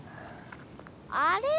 あれ？